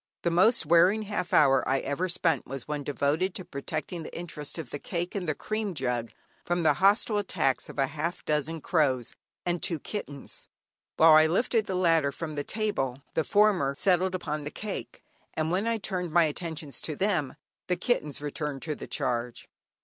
The most wearing half hour I ever spent was one devoted to protecting the interest of the cake and the cream jug, from the hostile attacks of half a dozen crows and two kittens. While I lifted down the latter from the table the former settled upon the cake, and when I turned my attentions to them, the kittens returned to the charge.